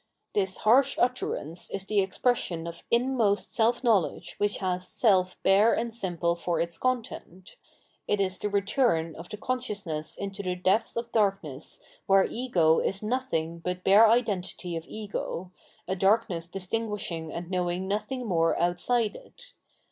This harsh utterance is the expression of inmost self knowledge which has self bare and simple for its content ; it is the return of con sciousness into the depth of darkness where Ego is no thing but bare identity of Ego, a darkness distinguishing and knowing nothing more outside it.